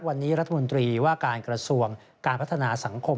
วันนี้รัฐมนตรีว่าการกระทรวงการพัฒนาสังคม